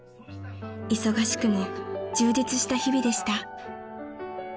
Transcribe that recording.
［忙しくも充実した日々でした］